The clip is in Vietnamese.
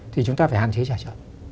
thì chúng ta phải hạn chế trả chậm